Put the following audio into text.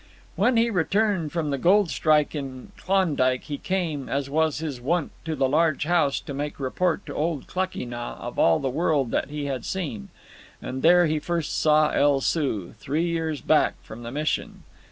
When he returned from the gold strike in Klondike he came, as was his wont, to the large house to make report to old Klakee Nah of all the world that he had seen; and there he first saw El Soo, three years back from the Mission.